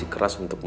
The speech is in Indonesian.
itu lihat dulu